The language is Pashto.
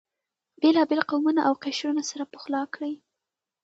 بېلابېل قومونه او قشرونه سره پخلا کړي.